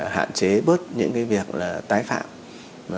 hạn chế bớt những cái việc là tái phạm